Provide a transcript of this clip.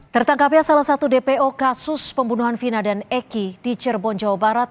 tertangkapnya salah satu dpo kasus pembunuhan vina dan eki di cirebon jawa barat